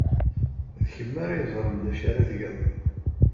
D kemm ara yeẓren d acu ara tgeḍ.